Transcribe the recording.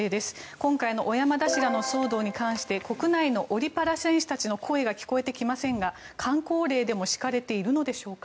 今回の小山田氏らの騒動に関して国内のオリ・パラ選手たちの声が聞こえてきませんがかん口令でも敷かれているんでしょうか？